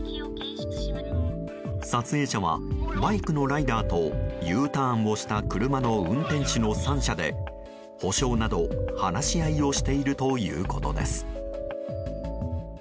撮影者は、バイクのライダーとＵターンをした車の運転手の３者で補償など話し合いをしているということです。